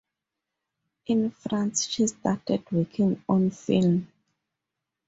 In France she started working on film.